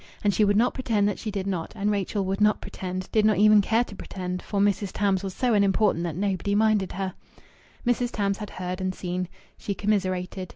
And she would not pretend that she did not; and Rachel would not pretend did not even care to pretend, for Mrs. Tams was so unimportant that nobody minded her. Mrs. Tams had heard and seen. She commiserated.